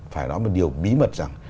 phải nói một điều bí mật rằng